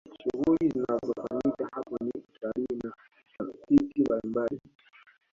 shughuli zinazofanyika hapo ni utalii na tafiti mbalimbali